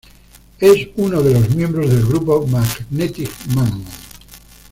Es uno de los miembros del grupo Magnetic Man.